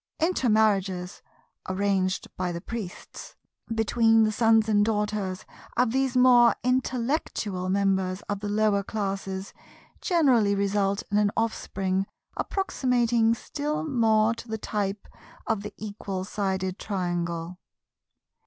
Intermarriages (arranged by the Priests) between the sons and daughters of these more intellectual members of the lower classes generally result in an offspring approximating still more to the type of the Equal Sided Triangle.